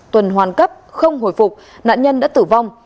tuần hoàn cấp không hồi phục nạn nhân đã tử vong